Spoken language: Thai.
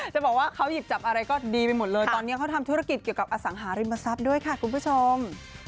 จะบอกว่าเขาหยิบจับอะไรก็ดีไปหมดเลยตอนนี้เขาทำธุรกิจเกี่ยวกับอสังหาริมทรัพย์ด้วยค่ะคุณผู้ชม